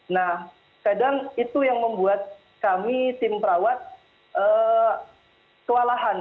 nah kadang itu yang membuat kami tim perawat kewalahan